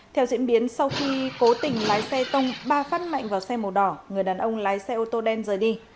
theo diễn biến sau khi cố tình lái xe tông ba phát mạnh vào xe màu đỏ người đàn ông lái xe ô tô đen rời đi